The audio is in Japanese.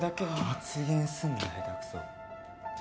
発言すんな下手くそ。